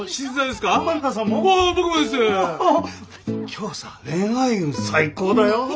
今日さ恋愛運最高だよ。